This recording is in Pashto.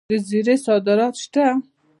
د زیرې صادرات شته.